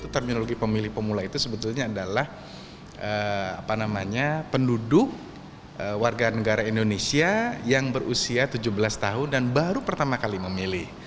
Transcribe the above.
terminologi pemilih pemula itu sebetulnya adalah penduduk warga negara indonesia yang berusia tujuh belas tahun dan baru pertama kali memilih